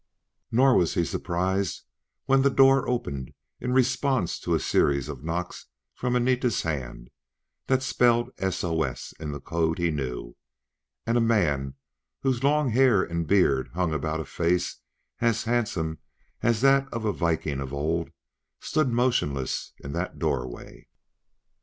Nor was he surprised when the door opened in response to a series of knocks from Anita's hand that spelled SOS in the code he knew, and a man, whose long hair and beard hung about a face as handsome as that of a Viking of old, stood motionless in that doorway.